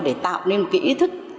để tạo nên một ý thức